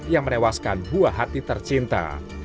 yang menewaskan buah hati tercinta